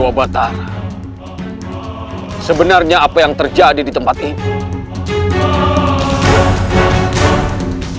sebenarnya apa yang terjadi di tempat ini